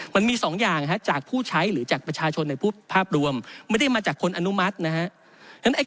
มันมีสองอย่างจากผู้ใช้หรือจากประชาชนในภาพรวมไม่ได้มาจากคนอนุมัตินะฮะ